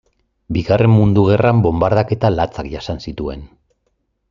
Bigarren Mundu Gerran bonbardaketa latzak jasan zituen.